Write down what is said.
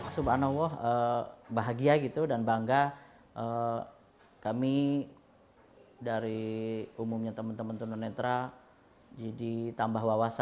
subhanallah bahagia dan bangga kami dari umumnya teman teman tuna netra jadi tambah wawasan